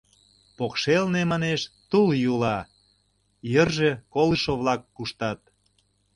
Покшелне, манеш, тул йӱла, йырже колышо-влак куштат.